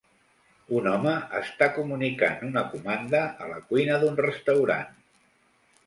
Un home està comunicant una comanda a la cuina d'un restaurant.